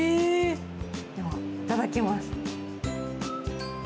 では、いただきます。